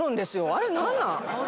あれ何なん？